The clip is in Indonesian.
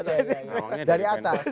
rawangnya dari penthouse